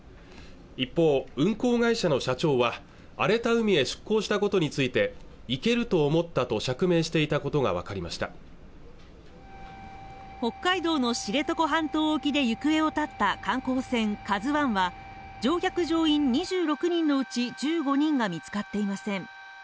一方運航会社の社長は荒れた海へ出航したことについて行けると思ったと釈明していたことが分かりました北海道の知床半島沖で行方を絶った観光船「ＫＡＺＵ１」は乗客乗員２６人のうち１５人が見つかっていません